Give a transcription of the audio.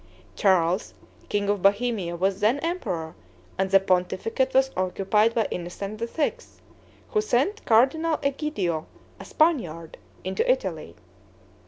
Charles, king of Bohemia, was then emperor, and the pontificate was occupied by Innocent VI., who sent Cardinal Egidio, a Spaniard, into Italy.